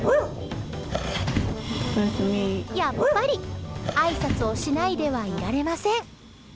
やっぱり、あいさつをしないではいられません。